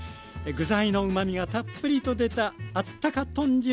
具材のうまみがたっぷりと出たあったか豚汁